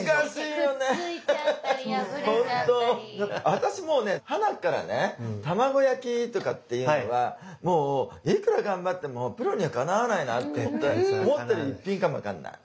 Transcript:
私もうねはなっからね卵焼きとかっていうのはもういくら頑張ってもプロにはかなわないなって思ってる一品かもわかんない。